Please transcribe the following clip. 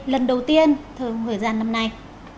lần đầu tiên thường hồi gian năm nay